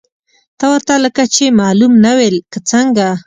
ته ورته لکه چې معلوم نه وې، که څنګه!؟